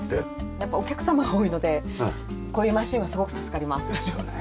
やっぱお客様が多いのでこういうマシンはすごく助かります。ですよね。